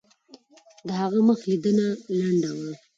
د هغه مخ لیدنه لنډه وه.